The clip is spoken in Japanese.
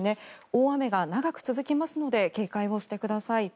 大雨が長く続きますので警戒をしてください。